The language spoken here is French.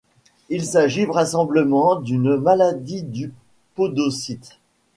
Il s'agit vraisemblablement d'une maladie du podocyte.